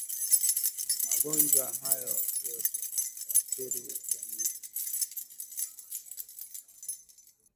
Magonjwa haya yote huathiri jamii nyingi za wanyama